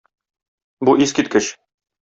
Бу искиткеч!